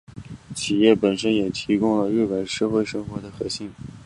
企业本身也提供了日本社会生活的核心。